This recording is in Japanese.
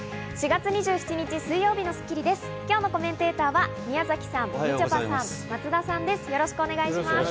４月２７日、水曜日の『スッキリ』です。